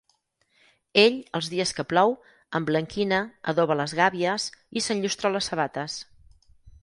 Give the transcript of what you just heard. Ell, els dies que plou, emblanquina, adoba les gàbies i s’enllustra les sabates.